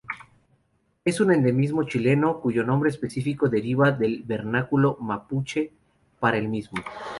Es un endemismo chileno, cuyo nombre específico deriva del vernáculo mapuche para el mismo.